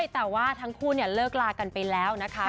แต่ว่าทั้งคู่เลิกลากันไปแล้วนะคะ